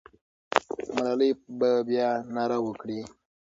ملالۍ به بیا ناره وکړي.